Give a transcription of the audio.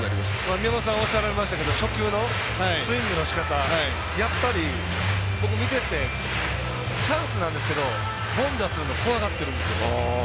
宮本さんおっしゃられましたが初球のスイングのしかたやっぱり、僕見ててチャンスなんですけど凡打するの怖がってるんですよ。